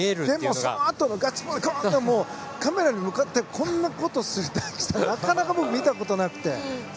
でもそのあとのガッツポーズカメラに向かってこんなことする大輝さんなかなか見たことなくて。